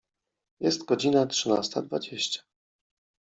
Jest godzina trzynasta dwadzieścia.